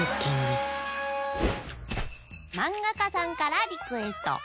まんがかさんからリクエスト。